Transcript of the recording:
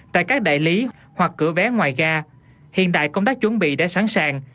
tại các đại lý hoặc cửa vé ngoài ga hiện tại công tác chuẩn bị đã sẵn sàng